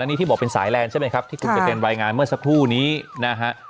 อันนี้ไปปล่องเป็นสายแลนใช่ไหมครับที่คุณเตรนวัยงานเมื่อสักครู่นี้นะครับ